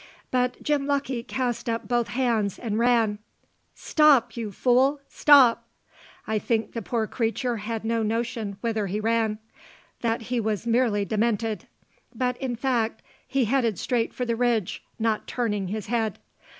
But Jim Lucky cast up both hands and ran. "Stop, you fool! Stop!" I think the poor creature had no notion whither he ran; that he was merely demented. But, in fact, he headed straight for the ridge, not turning his head.